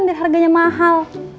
dan harganya mahal